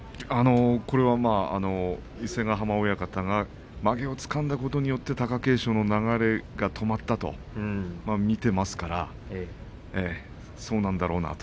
これは伊勢ヶ濱親方がまげをつかんだことによって貴景勝の流れが止まったと見ていますからそうなんだろうなと。